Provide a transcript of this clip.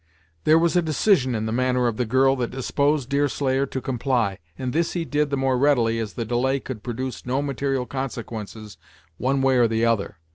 There was a decision in the manner of the girl that disposed Deerslayer to comply, and this he did the more readily as the delay could produce no material consequences one way or the other.